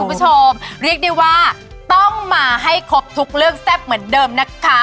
คุณผู้ชมเรียกได้ว่าต้องมาให้ครบทุกเรื่องแซ่บเหมือนเดิมนะคะ